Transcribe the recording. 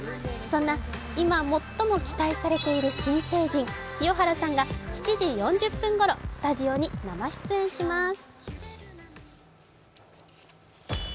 そんないま最も期待されている新成人、清原さんが７時４０分ごろスタジオに生出演します。